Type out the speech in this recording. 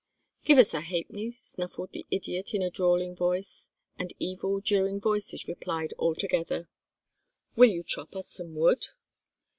"Give us a ha'penny," snuffled the idiot in a drawling voice, and evil, jeering voices replied all together: "Will you chop up some wood?"